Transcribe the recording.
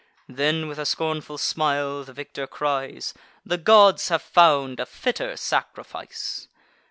Then, with a scornful smile, the victor cries: "The gods have found a fitter sacrifice."